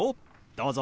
どうぞ。